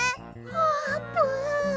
あーぷん！